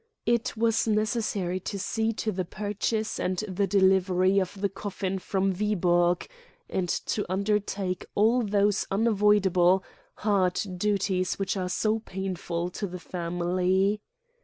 It was necessary to see to the purchase and the delivery of the coffin from Viborg, and to undertake all those un avoidable, hard duties which are so painful to the family.